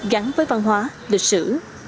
gắn với văn hóa lịch sử